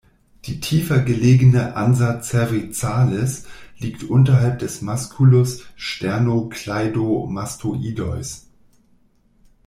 Die tiefer gelegene Ansa cervicalis liegt unterhalb des Musculus sternocleidomastoideus.